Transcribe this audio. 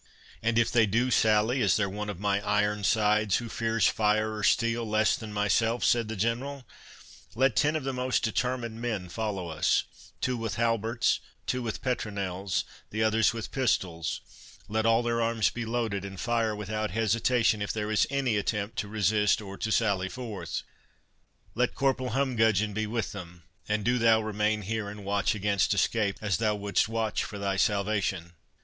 "And if they do sally, is there one of my Ironsides who fears fire or steel less than myself?" said the General. "Let ten of the most determined men follow us, two with halberts, two with petronels, the others with pistols—Let all their arms be loaded, and fire without hesitation, if there is any attempt to resist or to sally forth—Let Corporal Humgudgeon be with them, and do thou remain here, and watch against escape, as thou wouldst watch for thy salvation."